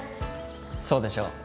そうでしょ